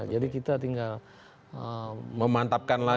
jadi kita tinggal memantapkan lagi